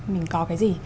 mình có cái gì